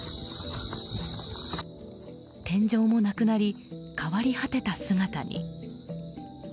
天井もなくなり変わり果てた姿に。